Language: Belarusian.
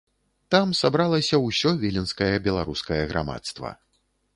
Там сабралася ўсё віленскае беларускае грамадства.